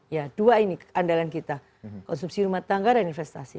ya dua ini keandalan kita konsumsi rumah tangga dan investasi